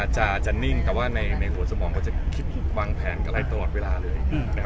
จะนิ่งแต่ว่าในหัวสมองก็จะคิดวางแผนกับอะไรตลอดเวลาเลย